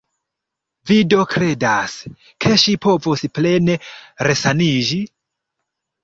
Vi do kredas, ke ŝi povos plene resaniĝi?